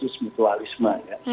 simbiosi mutualisme ya